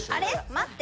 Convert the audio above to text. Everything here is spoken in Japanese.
待って。